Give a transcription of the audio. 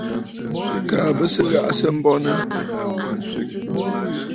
Kaa bì ghàʼà sɨ̀ bɔŋə̀.